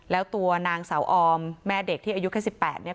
แล้วตัวนางสาวออมแม่เด็กที่อายุแค่๑๘เนี่ย